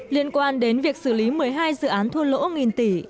liên quan đến việc xử lý một mươi hai dự án thua lỗ nghìn tỷ